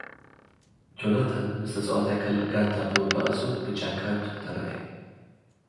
ጆናታን፡ ምስ ተጻዋታይ ካልእ ጋንታ ብምብኣሱ ብጫ ካርድ ተራእየ።